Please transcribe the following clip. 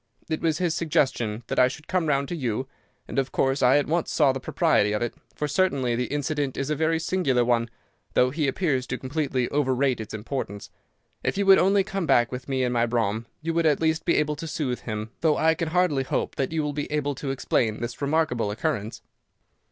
It was his suggestion that I should come round to you, and of course I at once saw the propriety of it, for certainly the incident is a very singular one, though he appears to completely overrate its importance. If you would only come back with me in my brougham, you would at least be able to soothe him, though I can hardly hope that you will be able to explain this remarkable occurrence."